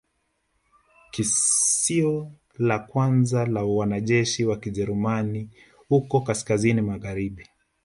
Kisio la kwanza la mwanajeshi wa Kijerumani huko kaskazini magharibi